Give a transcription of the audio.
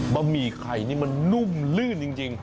หมี่ไข่นี่มันนุ่มลื่นจริง